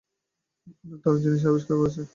অনেক দারুণ জিনিস আবিষ্কার করেছে।